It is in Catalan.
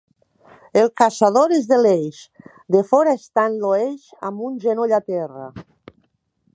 El caçador es deleix: de fora estant l'oeix amb un genoll a terra.